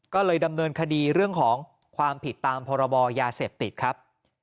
ก็เลยดำเนินคดีเรื่องของความผิดตามพรบยาเสพติดครับ